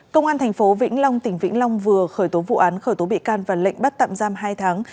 công an tp vĩnh long tỉnh vĩnh long vừa khởi tố vụ án khởi tố bị can và lệnh bắt tạm giam hai tháng